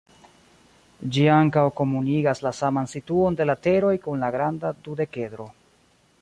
Ĝi ankaŭ komunigas la saman situon de lateroj kun la granda dudekedro.